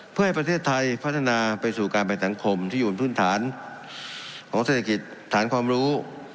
เพื่อให้ประเทศไทยพัฒนาไปสู่การเป็นสังคมที่อยู่บนพื้นฐานของเศรษฐกิจฐานความรู้